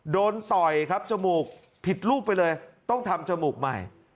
ต่อยครับจมูกผิดรูปไปเลยต้องทำจมูกใหม่